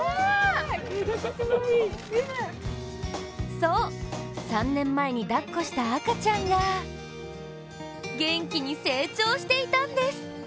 そう、３年前にだっこした赤ちゃんが元気に成長していたんです。